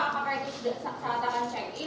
kalau pak timah apakah itu salah tangan check in